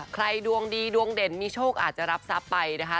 ดวงดีดวงเด่นมีโชคอาจจะรับทรัพย์ไปนะคะ